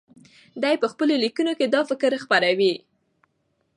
دی په خپلو لیکنو کې دا فکر خپروي.